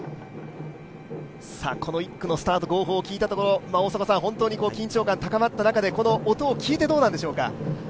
１区のスタート、号砲を聞いたところ、緊張感が高まったところでこの音を聞いてどうなんでしょうか？